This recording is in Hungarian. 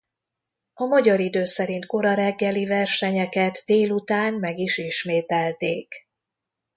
A magyar idő szerint kora reggeli versenyeket délután meg is ismételték.